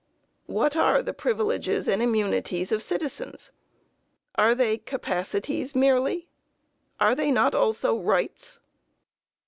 What are the privileges and immunities of citizens? Are they capacities merely? Are they not also rights?"